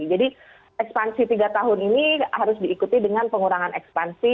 jadi ekspansi tiga tahun ini harus diikuti dengan pengurangan ekspansi